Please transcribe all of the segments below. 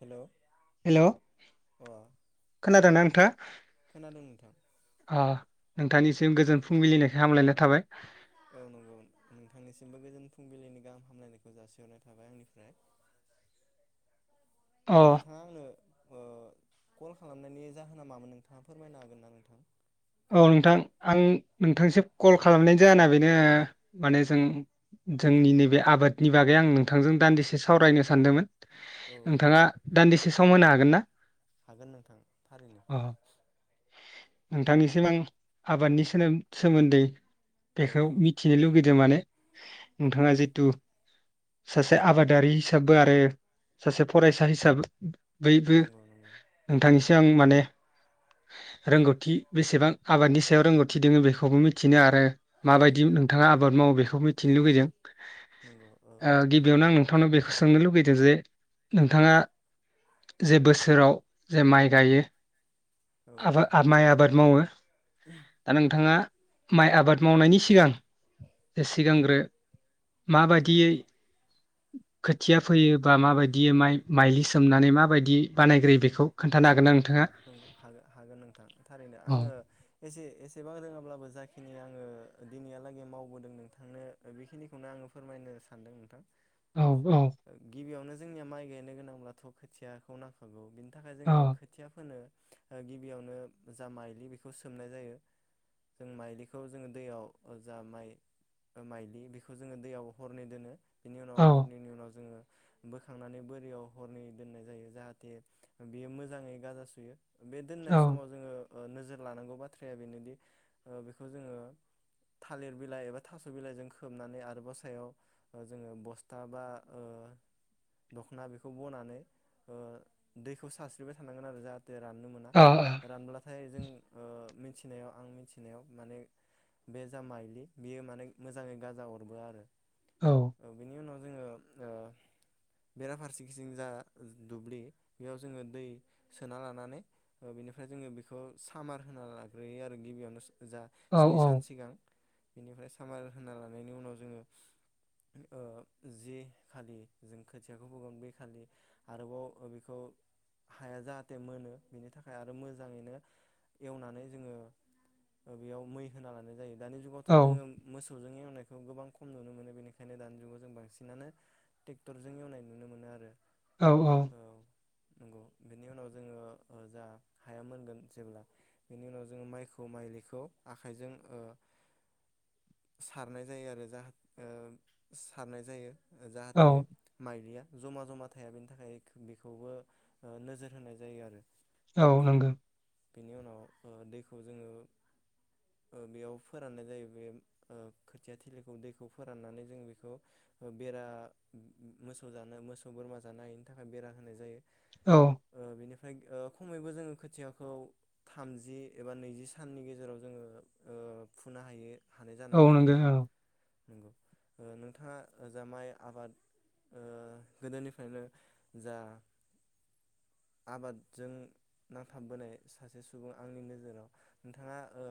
हेल'। Hello खोनादों ना नोंथाङा खोनादों नोंथां अ? नोंथांनिसिम गोजोन फुंबिलिनिखाय हामलायनाय थाबाय। औ नंगौ नोंथांनिसिमबो गोजोन फुंबिलिनि गाहाम हामलायनायखौ जासिहरनाय थाबाय आंनिफ्राय। अ औ नोंथाङा आंनो अ कल खालामनायनि जाहोना मामोन नोंथाङा फोरमायनो हागोन ना नोंथां? औ नोंथां आं नोंथांसिम कल खालामनाय जाहोना बेनो माने जों जोंनि नैबे आबादनि बागै आं नोंथांजों दान्दिसे सावरायनो सानदोंमोन औ औ नोंथाङा दान्दिसे सम होनो हाग हागोन ना? हागोन नोंथां थारैनो। अ नोंथांनिसिम आं आबादनि सोमोन सोमोन्दै औ बेखौ औ मिथिनो लुगैदों माने नोंथाङा जिथु सासे आबादारि हिसाबबो आरो सासे फरायसा हिसाब बयबो नंगौ नंगौ नोंथांनिसि [unintelligible] माने रोंगौथि बेसेबां आबादनि सायाव रोंगौथि दोङो बेखौबो मिथिनो आरो माबायदि नोंथाङा आबाद मावो बेखौबो मिथिनो लुबैदों औ औ अ गिबियावनो आं नोंथांनाव बेखौ सोंनो लुबैदों जे नोंथाङा जे बोसोराव जे माइ गायो औ औ आबाद आ माय आबाद मावो दा नोंथां थाङा माइ आबाद मावनायनि सिगां सिगांग्रो माबायदियै खोथिया फोयो बा माबायदियै माइ माइलि सोमनानै माबायदियै बानायग्रोयो बेखौ खोन्थानो हागोन ना नोंथाङा हाग हागोन नोंथां थारैनो औ आङो एसे एसेबां रोङाब्लाबो जाखिनि आङो अ दिनैहालागै मावबोदों नोंथांनो बेखिनिखौनो आङो फोरमायनो सानदों नोंथां औ औ गिबियावनो जोंनिया माइ गायनो गोनांब्लाथ' खोथियाखौ नांखागौ थाखाय औ जोङो खोथ फोनो ओ गिबियावनो जा माइलि बेखौ सोमनाय जायो जों माइलिखौ जोङो दैयाव जा माइ ओ माइलि बेखौ जोङो दैयाव हरनै दोनो बिनि उनाव हरनैनि उनाव जोङो बोखांनानै बोरियाव हरनै दोननाय जायो जाहाथे बेयो मोजाङै गाजा सुयो बे औ दोननाय समाव जोङो ओ नोजोर लानांगौ बाथ्राया बेनोदि ओ बेखौ जोङो थालिर बिलाइ एबा थास' बिलाइजों खोबनानै आरोबाव सायाव जोङो बस्था बा ओ दखना बेखौ बनानैखौ ओ दैखौ सारस्रिबाय थानांगोन आरो जाहा राननो मोना औ रानब्ला थाय जों ओ मिथिनायाव आं मिथिनायाव माने बे जा माइलि बियो माने मोजाङै गाजा अरबोआ आरो औ बिनि उनाव जोङो ओ बेराफारसेथिं जा दुब्लि बेयाव जोङो दै सोना लानानै ओ बेनिफ्राय जोङो बेखौ सामार होना लाग्रोयो आरो गिबियावनो जा स्नि औ सान सिगां बेनिफ्राय सामार होना लानायनि उनाव जोङो ओ जि खालि जों खोथियाखौ फोगोन बे खालि आरोबाव ओ बेखौ हाया जाहाथे मोनो बेनि थाखाय आरो मोजाङैनो एवनानै जोङो ओ बेयाव मै होना लानाय जायो दानि औ जुगावथ' जो मोस सौजों एवनायखौ गोबां खम नुनो मोनो बेनिखायनो दानि जुगाव जों बांसिनानो ट्रेक्टरजों एवनाय नुनो मोनो आरो औ औ नंगौ बेनि उनाव जोङो ओ जा हाया मोनगोन जेब्ला बेनि उनाव जोङो माइखौ माइलिखौ आखाइजों ओ सारनाय जायो आरो जाहा ओसारनाय जायो औ जाहाथे माइलिया जमा जमा थाया बेनि थाखाय बेखौबो। ओ नोजोर होनाय जायो आरो। औ नंगो। बेनि उनाव ओ दैखौ जोङो ओ बेयाव फोराननाय जायो बे ओ खोथिया थिलिखौ दैखौ फोराननानै जों बेखौ ओ बेरा मोसौ जानो मोसौ बोरमा जानो हायिनि थाखाय बेरा होनाय जायो। औ ओ बेनिफ [unintelligible] ओ खमैबो जोङो खोथियाखौ थामजि एबा नैजि साननि गेजेराव जोङो ओ फुनो हायो। हानाय औ जानानै नंगौ फैयो आरो। औ नंगौ ओ नोंथाङा ओ जा माइ आबाद ओ गोदोनिफ्रायनो जा आबादजों नांथाबबोनाय सासे सुबुं आंनि नोजोराव नोंथाङा ओ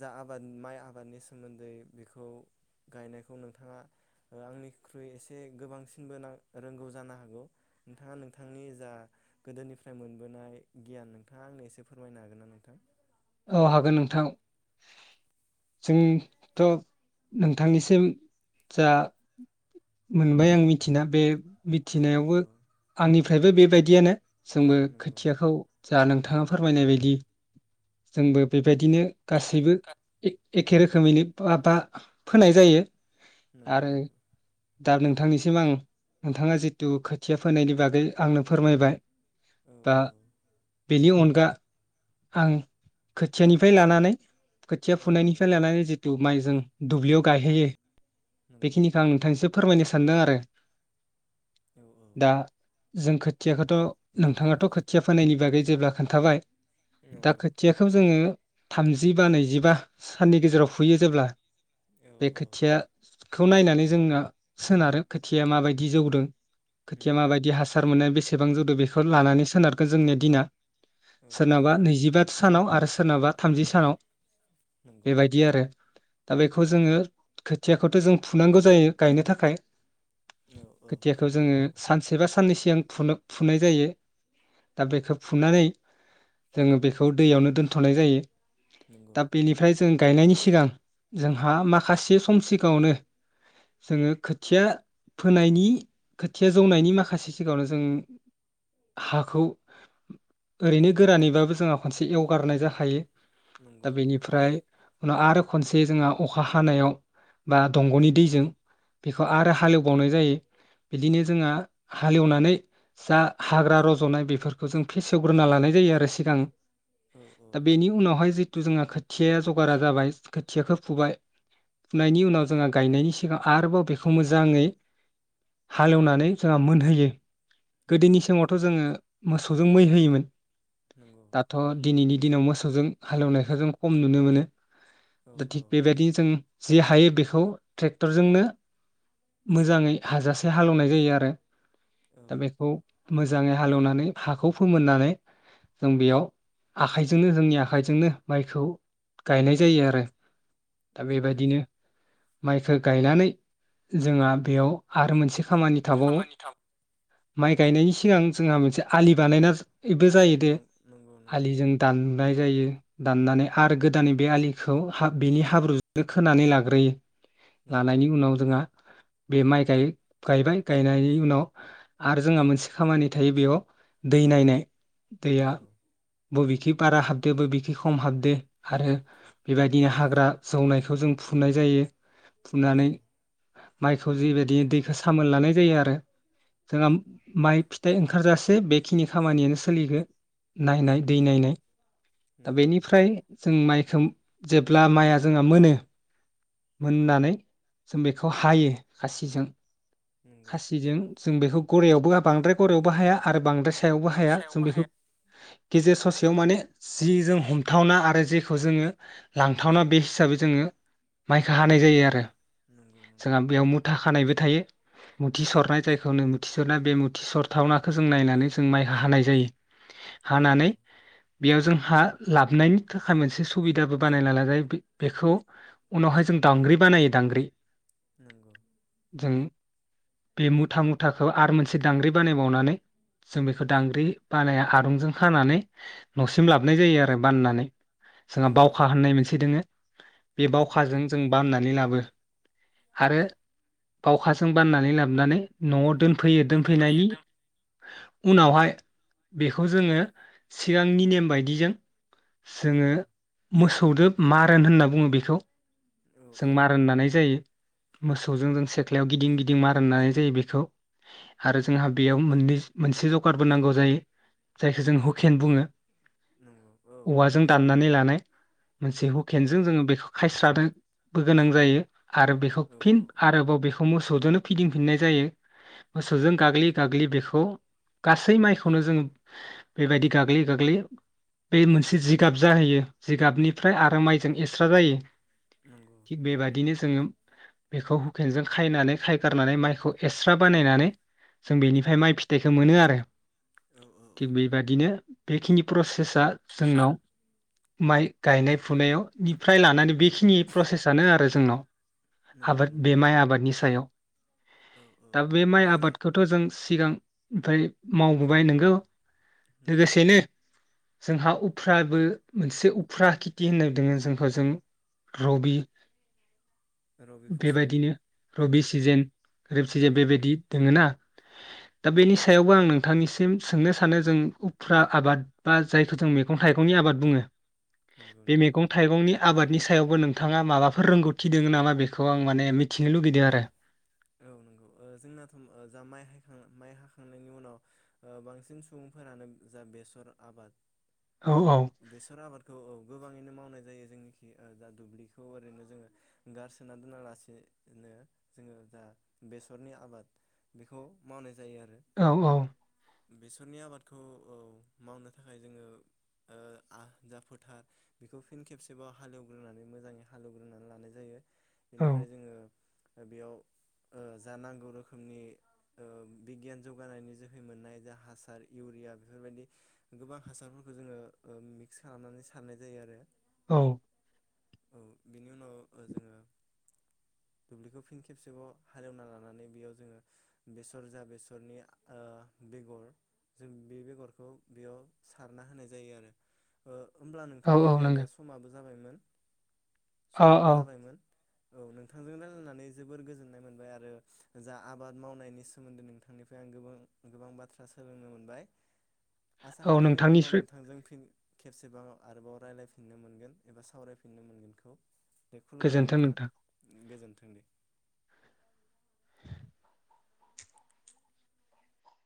जा आबाद माइ आबादनि सोमोन्दै बेखौ गायनायखौ नोंथाङा ओ आंनिख्रुइ एसे गोबांसिनबो रोंगौ जानो हागौ नोंथाङा नोंथांनि जा गोदोनिफ्राय मोनबोनाय गियान नोंथाङा आंनो एसे फोरमायनो हागोन ना नोंथां? औ हागोन नोंथां जोंथ' नोंथांनिसिम जा मोनबाय आं मिथिना बे औ औ मिथिनायावबो आंनि। फ्रायबो बेबायदियानो। जोंबो नंगौ नंगौ। खोथियाखौ जा नोंथाङा फोरमायनाय बायदि जोंबो बे बायदिनो बिदिनो गासैबो गा ए एग एखे रोखोमैनो माबा फोनाय जायो। नंगौ आरो नंगौ। दा नोंथांनिसिम आं नोंथाङा जिथु खोथिया फोनायनि बागै आंनो फोरमायबाय। औ दा औ बेनि अन गा आं खोथियानिफ्राय लानानै खोथिया औ औ फुनायनिफ्राय लानानै जि थुब माइ जों दुब्लियाव गायहैयो। नंगौ बेखिनिखो आं नोंथांसिम फोरमायनो सानदों आरो‌। औ औ दा जों खोथियाखौथ' नोंथाङाथ' खोथिया फोनायनि बागै जेब्ला खोन्थाबाय दा नंगौ खोथियाखौ जोङो थामजि बा नैजिबा साननि गेजेराव फुयो जेब्ला औ बे औ खोथिया खौ नायनानै जोंहा सोनारो खोथिया माबायदि जौदों। खोथिया नंगौ माबायदि हासार मोननो बेसे बेसेबां जौदो बेखौ लानानै सोनारगोन जोंनिया दिना। औ औ सोरनाबा नैजिबा सानाव आरो सोरनाबा थामजि सानाव नंगौ बेबायदि आरो दा बेखौ जोङो खोथियाखौथ' जों फुनांगौ जायो गायनो थाखाय औ औ खोथियाखौ नंगौ जोङो सानसे बा साननै सिगां फुनो- फुनाय जायो दा बेखौ फुनानै जोङो बेखौ दैयावनो दोनथ'नाय जायो। नंगौ दा बेनिफ्राय जों गायनायनि सिगां जोंहा माखासे सम सिगाङावनो जोङो खोथिया फोनायनि खोथिया जौनायनि माखासे सिगाङावनो जों हाखौ ओैरैनो गोरानैबाबो जोंहा खनसे एवगारनाय जाखायो। नंगौ दा नंगौ बेनिफ्राय उनाव आरो खनसे जोंहा अखा हानायाव बा दंग'नि दैजों बेखौ आरो हालेवबावनाय जायो बिदिनो जोंहा हालेवनानै जा हाग्रा रज'नाय बेफोरखौ जों फेसेवग्रोना लानाय जायो आरो सिगां औ औ दा बेनि उनावहाय जिथु जोंहा खो खोथियाया जगारा जाबाय खोथियाखौ फुबाय फुनायनि उनाव जोंहा गायनायनि सिगां आरोबाव बेखौ मोजाङै हालौवनानै जोंहा मोनहोयो। नंगौ गोदोनि समावथ' जोङो मोसौजों मै होयोमोन। नंगौ दाथ' दिनैनि दिनाव मो मोसौजों हालौवनायखौ जों कम नुनो मोनो। औ दा औ थिग बेबायदिनो जों जे हायो बेखो खौ ट्रेक्टरजोंनो मोजाङै हाजासे हालौनाय जायो आरो औ दा बेखौ मोजाङै हालौनानै हाखौ फोमोननानै जों बेयाव आखाइजोंनो जोंनि आखाइजोंनो माइखौ गायनाय जायो आरो। दा नंगौ बेबायदिनो माइखो गायनानै जोंहा बेयाव आरो मोनसे खामानि थाबावो खामानि थाब माइ गायनायनि सिगां जोंहा मोनसे आलि बानायना बेबो जायो दे नंगौ नंगौ आलिजों दाननाय जायो दाननानै आरो गोदानै बे आलिखौ हा बेनि हाब्रुजोंनो खोनानै लाग्रोयो। नंगौ लानायनि उनाव जोंहा बे माइ गाय गायबाय गायनायनि उनाव आरो जोंहा मोनसे खामानि थायो बेयाव दै नायनाय। दैया नंगौ बबेखि बारा हाबदो बबेखि खम हाबदो आरो बेबायदिनो हाग्रा जौनायखौ जों फुननाय जायो। फुनानै नंगौ माइखौ जिबायदि दैखो सामोन लानाय जायो आरो जोंहा माइ फिथाइ ओंखारजासे बेखिनि खामानियानो सोलिगो नायनाय दै नायनाय दा नंगौ नंगौ बेनिफ्राय जों माइ उम जेब्ला माइआ जोंहा मोनो मोननानै जों बेखौ हायो खासिजों। नंगौ खासिजों जों बेखौ गरायावबो बांद्राय गरायावबो हाया आरो बांद्राय सायावबो हाया सायाव जों बेखौ बाहाया गेजेर ससेयाव माने जि जों हमथावना आरो जेखौ जोङो लांथावना बे हिसाबै जोङो माइखौ हानाय जायो आरो। नंगौ नंगौ जोङा बेयाव मु मुथा खानायबो थायो मुथि सरनाय जायखौनो मुथि सरनाय बे मुथि सरथावनाखौ जों नायनानै जों माइ हानाय जायो। जायो औ हानानै औ बेयाव जों हा लाबोनायनि थाखाय मोनसे सुबिदाबो बानायना लाजायो। बे बेखौ उनावहाय जों दांग्रि बानायो दांग्रि। नंगौ। जों बे मुथा मुथाखौ आरो मोनसे दांग्रि बानायबावनानै जों बेखौ दांग्रि बानाया आरुंजों खानानै न'सिम लाबोनाय जायो आरो बाननानै। जोंहा औ औ बावखा होननाय मोनसे दोङो बे नंगौ बावखाजों जों बाननानै लाबो आरो बावखाजों बाननानै लाबोनानै न'आव दोन फैयो दोनफैयो दोनफैनायनि दोन उनावहाय बेखौ जोङो सिगांनि नेम बायदिजों जोङो नंगौ मोसौ दोब मारोन होनना बुङो बेखौ। औ जों औ मारोन औ नानाय जायो। मोसौजों जों सेख्लायाव गिदिं गिदिं मारोन नानाय जायो बेखौ आरो जोंहा बेयाव मोननै मोनसे जगारबो नांगौ जायो। जायखौ जों हुकेन बुङो नंगौ औ औवाजों दाननानै लानाय। मोनसे हुकेनजों नंगौ जोङो बेखौ खायस्रादो बो गोनां जायो। आरो बेखौ औ फिन औ औ आरोबाव बेखौ मोसौजोंनो फिदिंफिननाय जायो। मोसौजों गाग्लि गाग्लि बेखौ गासै माइखौनो जों बेबायदि गाग्लि गाग्लि बे मोनसे जिगाब जाहैयो जिगाबनिफ्राय आरो माइजों एक्सट्रा जायो। नंगौ थिग बेबादिनो जोङो बेखौ हुकेनजों खायनानै खायगारनानै माइखौ एक्सट्रा बानायनानै जों बेनिफ्राय माइ फिथाइखौ मोनो आरो। औ औ औ थिग बेबादिनो बेखिनि प्रसे स आ सेसा जोंनाव माइ गायनाय फुनायाव निफ्राय लानानै बेखिनि प्रसेसानो आरो जोंनाव। नंगौ आबाद बे नंगौ माइ आबादनि सायाव। औ औ दा बे माइ ओ जा आबादखौथ' जों सिगां ओमफ्राय मावबोबाय नोंगौ नंगौ लोगोसेनो जोंहा उफ्राबो मोनसे उफ्रा खेथि होनना दङो। जोंखौ जों रबि रबि फसल बेबायदिनो रबि औ औ सिजेन रिब सिजेन औ औ बेबायदि दोङो ना? दा बेनि सायावबो आं नोंथांनिसिम सोंनो सा नो जों उफ्रा आबाद बा जायखौ जों मैगं थाइगंनि आबाद बुङो। नंगौ बे नंगौ मैगं थाइगंनि आबादनि सा सायावबो नोंथाङा माबाफोर रोंगौथि दोङो नामा बेखौ आं माने मिथिनो लुगैदों आरो। औ नंगौ ओ जोंनाथ' जा माइ हाइखां माइ हाखांनायनि उनाव ओ बांसिन सुबुंफोरानो जा बेसर आबाद औ औ बेसर आबादखौ औ गोबाङैनो मावनाय जायो जोंनिखि दा दुब्लिखौ ओरैनो जोङो गारसोना दोना लासेनो जोङो जा बेसरनि आबाद बेखौ मावनाय जा औ औ। बेसरनि आबादखौ ओ मावनो थाखाय जोङो ओ आ जा फोथार बेखौ फिन खेबसेबाव हालेवग्रोनानै मोजाङै हालेवग्रोनानै लानाय जायो। औ बेनिफ्राय जोङो दा बेयाव ओ जा नांगौ रोखोमनि ओ बिगियान जौगानायनि जोहै मोननाय जा हासार इउरिया बेफोरबायदि गोबां हासारफोरखौ जोङो ओ मिक्स खालामनानै सारनाय जायो आरो। औ। औ बिनि उनाव जोङो दुब्लिखौ फिन खे खेबसेबाव हालेवना लानानै बेयाव जोङो बेसर जा बेसरनि ओ बेगर जों बे बेगरखौ बेयाव सारना होनाय जायो आरो ओ होमब्ला औ नोंथां औ जोंनिया दा नंगौ समाबो जा जाबायमोन। औ समाबो औ जाबायमोन। औ नोंथांजों रायलायनानै जोबोर गोजोननाय मोनबाय आरो जा आबाद मावनायनि सोमोन्दै नोंथांनिफ्राय आं गोबां गोबां बाथ्रा सोलोंनो मोनबाय। आसा औ खालामो उनाव नोंथांनिफ्राय नोंथांजों फिन खेबसेबाव आरोबाव रायलायफिननो मोनगोन एबा सावरायफिननो मोनगोनखौ दे खुलुमबाय नोंथां गोजोन थों दे।